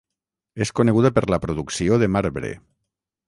És coneguda per la producció de marbre.